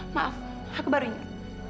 maaf aku baru ingat